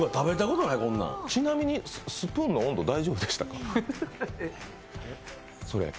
ちなみにスプーンの温度大丈夫でしたか、それ。